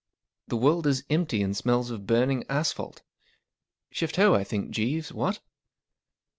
The world is empty and smells of burning asphalt. Shift*ho, I think, Jeeves, wfcat